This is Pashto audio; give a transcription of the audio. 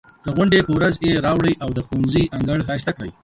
د غونډې په ورځ یې راوړئ او د ښوونځي انګړ ښایسته کړئ.